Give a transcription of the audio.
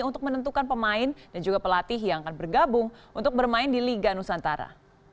untuk menentukan pemain dan juga pelatih yang akan bergabung untuk bermain di liga nusantara